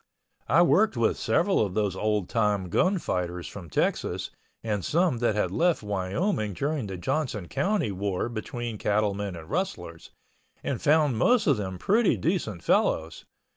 I worked with several of those old time gunfighters from Texas and some that had left Wyoming during the Johnson County war between cattlemen and rustlers, and found most of them pretty decent fellows.